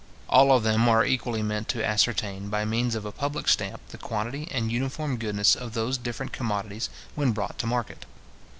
All of them are equally meant to ascertain, by means of a public stamp, the quantity and uniform goodness of those different commodities when brought to market.